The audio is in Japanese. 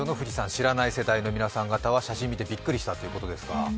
知らない世代の皆さん方は、写真を見てびっくりしたということですか？